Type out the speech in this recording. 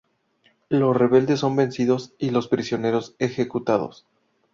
Los rebeldes son vencidos y los prisioneros ejecutados.